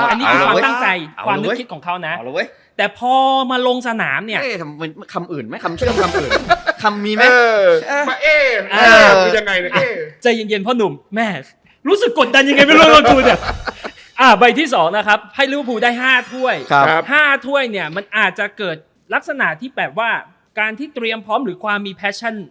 อันนี้คือความตั้งใจความนึกคิดของเขานะแต่พอมาลงสนามเนี้ยคำอื่นมั้ยคำเชื่อมีคำคำมีมั้ย